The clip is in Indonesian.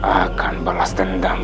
akan balas dendam